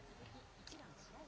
１番・白石。